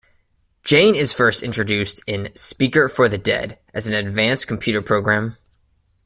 Jane is first introduced in "Speaker for the Dead" as an advanced computer program.